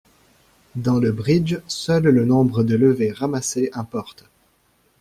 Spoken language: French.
Dans le bridge, seul le nombre de levées ramassées importe.